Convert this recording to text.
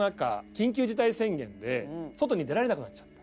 緊急事態宣言で外に出られなくなっちゃった。